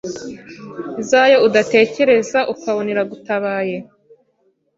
zayo udatekereza ukabona iragutabaye.